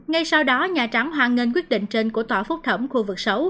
ngay sau đó nhà trắng hoan nghênh quyết định trên của tòa phúc thẩm khu vực sáu